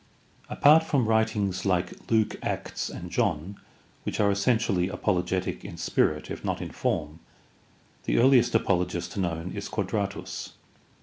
— ^Apart from writings like Luke Acts and John, which are essentially apologetic in spirit if not in form, the earliest apologist known is Quadratus.